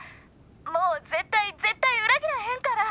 もう絶対絶対裏切らへんから！